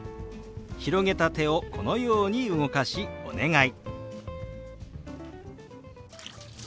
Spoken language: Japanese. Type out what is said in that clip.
広げた手をこのように動かし「お願い」。